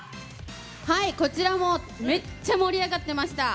こちらもめっちゃ盛り上がってました。